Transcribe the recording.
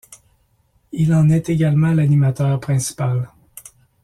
Il en est également l’animateur principal.